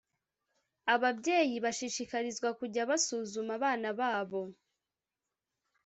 Ababyeyi bashishikarizwa kujya basuzuma abana babo